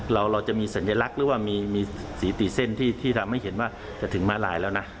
เราจะมีสัญลักษณ์หรือว่ามีสีติเส้นที่ทำให้เห็นว่าจะถึงมาลายแล้วนะ